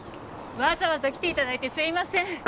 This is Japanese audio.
わざわざ来ていただいてすみません。